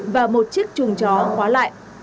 và một chiếc chuồng chó khóa lại